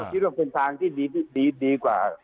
คิดว่าเป็นทางที่ดีกว่า